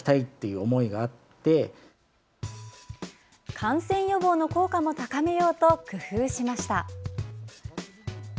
感染予防の効果も高めようと工夫しました。